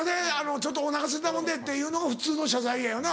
ちょっとお腹すいてたもんで」っていうのが普通の謝罪やよな。